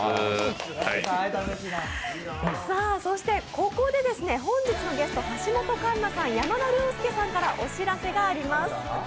ここで本日のゲスト、橋本環奈さん、山田涼介さんからお知らせがあります。